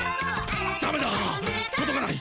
ダメだとどかない。